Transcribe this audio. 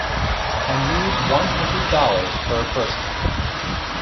I need one hundred dollars per person.